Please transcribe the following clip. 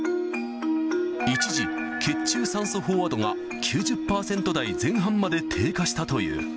一時、血中酸素飽和度が９０％台前半まで低下したという。